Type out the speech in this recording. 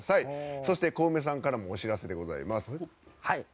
そして、コウメさんからもお知らせでございます。